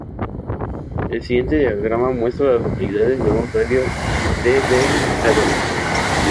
El siguiente diagrama muestra a las localidades en un radio de de Brevard.